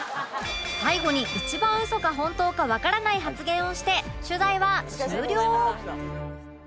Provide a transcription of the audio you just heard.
最後に一番ウソか本当かわからない発言をして取材は終了